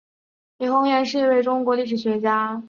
李洪岩是一位中国历史学家。